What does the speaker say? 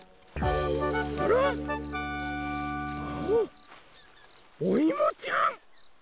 あおいもちゃん！